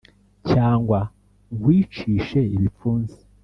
cyangwa nkwicishe ibipfunsi